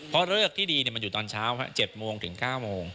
เพราะเลิกที่ดีมันอยู่ตอนเช้า๗โมงถึง๙โมง